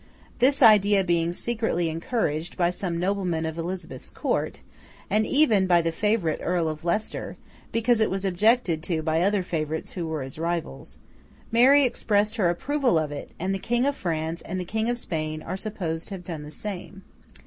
This idea being secretly encouraged by some of the noblemen of Elizabeth's court, and even by the favourite Earl of Leicester (because it was objected to by other favourites who were his rivals), Mary expressed her approval of it, and the King of France and the King of Spain are supposed to have done the same.